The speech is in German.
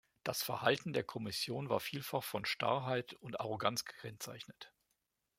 Das Verhalten der Kommission war vielfach von Starrheit und Arroganz gekennzeichnet.